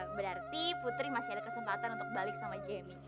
berarti putri masih ada kesempatan untuk balik sama jamie